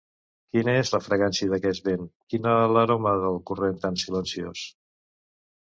Quina és la fragància d'aquest vent? Quina l'aroma del corrent tan silenciós?